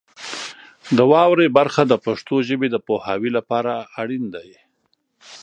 د واورئ برخه د پښتو ژبې د پوهاوي لپاره اړین دی.